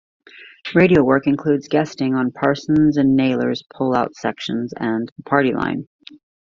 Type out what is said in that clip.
Radio work includes guesting on "Parsons and Naylor's Pull-Out Sections" and "The Party Line".